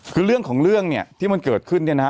คือเรื่องของเรื่องเนี่ยที่มันเกิดขึ้นเนี่ยนะฮะ